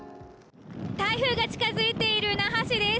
台風が近づいている那覇市です